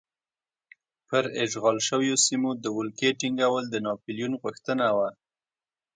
پر اشغال شویو سیمو د ولکې ټینګول د ناپلیون غوښتنه وه.